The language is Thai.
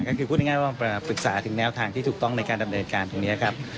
ก็คือพูดง่ายว่าปรึกษาถึงแนวทางที่ถูกต้องในการดำเนินการตรงนี้ครับ